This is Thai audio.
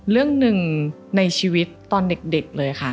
เรื่องหนึ่งในชีวิตตอนเด็กเลยค่ะ